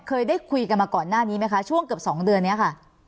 เคยได้คุยกันมาก่อนหน้านี้ไหมคะช่วงเกือบ๒เดือนนี้ค่ะ